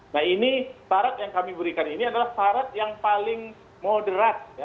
nah ini syarat yang kami berikan ini adalah syarat yang paling moderat